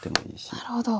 なるほど。